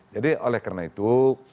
jadi oleh karena itu